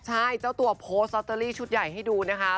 ใช่เจ้าตัวโพสต์ลอตเตอรี่ชุดใหญ่ให้ดูนะคะ